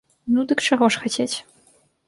Ну, дык чаго ж хацець?